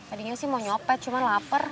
adinya sih mau nyopet cuman lapar